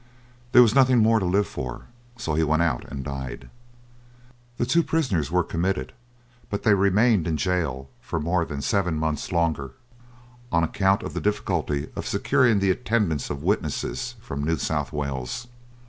There was nothing more to live for, so he went out and died. The two prisoners were committed, but they remained in gaol for more than seven months longer, on account of the difficulty of securing the attendance of witnesses from New South Wales.